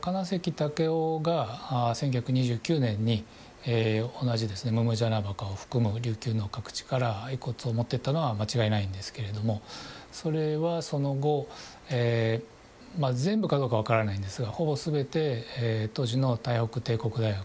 丈夫が１９２９年に同じ百按司墓を含む琉球の各地から遺骨を持っていったのは間違いないんですけれどもそれはその後全部かどうか分からないんですがほぼ全て当時の台北帝国大学